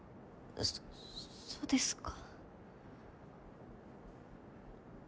そそうですか。